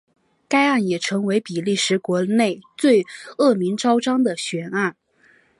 该案也成为比利时国内最恶名昭彰的悬案。